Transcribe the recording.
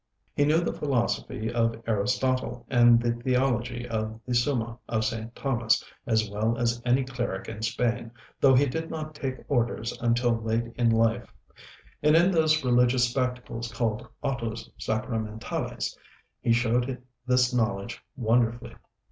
He knew the philosophy of Aristotle and the theology of the 'Summa' of St. Thomas as well as any cleric in Spain, though he did not take orders until late in life; and in those religious spectacles called autos sacramentales he showed this knowledge wonderfully.